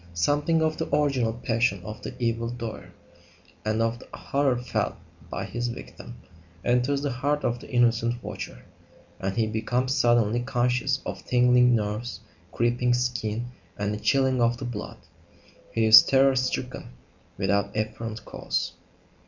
Something of the original passion of the evil doer, and of the horror felt by his victim, enters the heart of the innocent watcher, and he becomes suddenly conscious of tingling nerves, creeping skin, and a chilling of the blood. He is terror stricken without apparent cause.